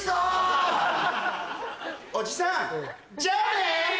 おじさんじゃあね！